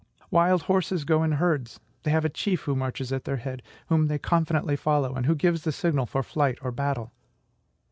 Wild horses go in herds: they have a chief who marches at their head, whom they confidently follow, and who gives the signal for flight or battle.